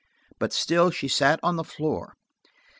But still she sat on the floor.